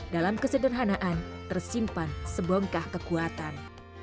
dalam kesederhanaan tersimpan sebongkah kekuatan